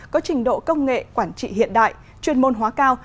có trình độ công nghệ quản trị hiện đại chuyên môn hóa cao